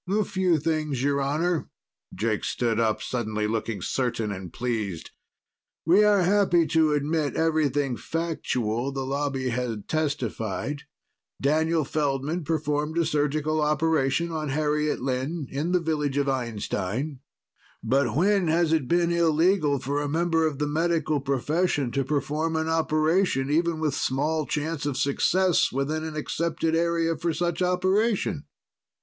"A few things, Your Honor." Jake stood up, suddenly looking certain and pleased. "We are happy to admit everything factual the Lobby had testified. Daniel Feldman performed a surgical operation on Harriet Lynn in the village of Einstein. But when has it been illegal for a member of the Medical profession to perform an operation, even with small chance of success, within an accepted area for such operation?